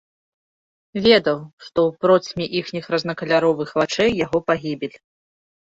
Ведаў, што ў процьме іхніх рознакаляровых вачэй яго пагібель.